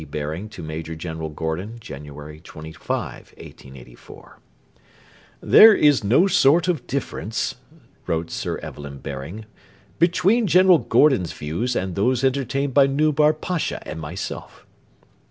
Baring to Major General Gordon, January 25, 1884.] 'There is no sort of difference,' wrote Sir Evelyn Baring, 'between General Gordon's views and those entertained by Nubar Pasha and myself.'